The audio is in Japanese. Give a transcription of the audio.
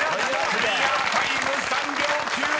［クリアタイム３秒９７！］